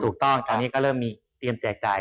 ถูกต้องตอนนี้ก็เริ่มมีเตรียมแจกจ่าย